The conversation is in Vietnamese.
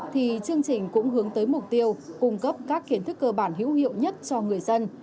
thì chương trình cũng hướng tới mục tiêu cung cấp các kiến thức cơ bản hữu hiệu nhất cho người dân